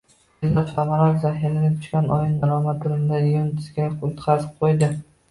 Eldor Shomurodov zaxiradan tushgan o‘yinda “Roma” Turinda “Yuventus”ga yutqazib qo‘ydi